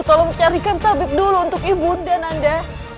tolong carikan tabib dulu untuk ibu nanda